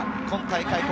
今大会